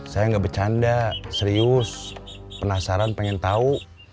saya nggak bercanda serius penasaran pengen tahu